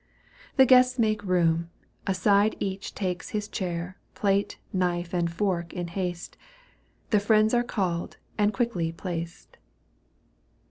The guests make room ; aside each takes His chair, plate, knife and fork in haste ; The friends are called and quickly placed.